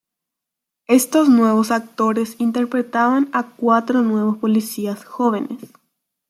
Estos nuevos actores interpretaban a cuatro nuevos policías jóvenes.